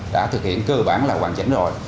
đã thực hiện cơ bản là hoàn chỉnh rồi